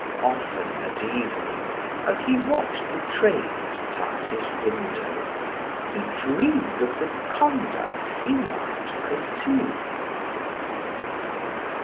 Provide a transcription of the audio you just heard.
Often at evening, as he watched the trains pass his window, he dreamed of the conduct he might pursue.